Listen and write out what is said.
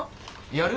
やる？